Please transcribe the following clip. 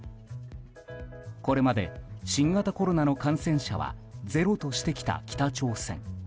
これまで、新型コロナの感染者はゼロとしてきた北朝鮮。